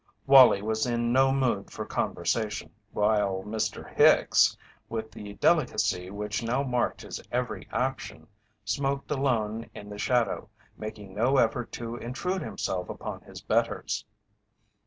Wallie was in no mood for conversation, while Mr. Hicks, with the delicacy which now marked his every action, smoked alone in the shadow, making no effort to intrude himself upon his betters.